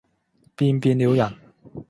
便變了人，